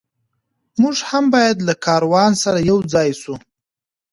موږ هم باید له کاروان سره یو ځای سو.